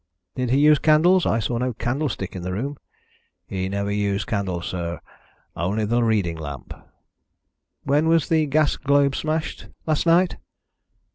"Did he use candles? I saw no candlestick in the room." "He never used candles, sir only the reading lamp." "When was the gas globe smashed? Last night?"